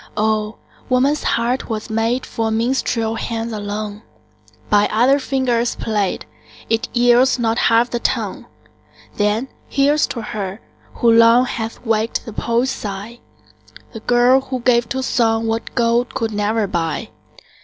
Oh! woman's heart was made For minstrel hands alone; By other fingers played, It yields not half the tone. Then here's to her, who long Hath waked the poet's sigh, The girl who gave to song What gold could never buy.